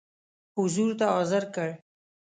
حضور ته حاضر کړ.